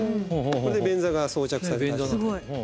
これで便座が装着された状態。